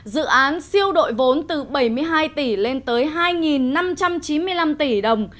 dự án siêu đội vốn từ bảy mươi hai tỷ lên tới hai năm trăm chín mươi năm tỷ đồng